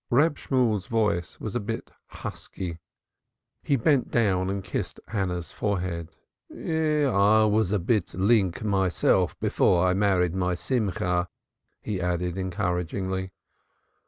Reb Shemuel's voice was a bit husky. He bent down and kissed Hannah's forehead. "I was a bit link myself before I married my Simcha" he added encouragingly.